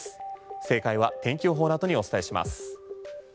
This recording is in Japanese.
正解は天気予報のあとにお伝えします。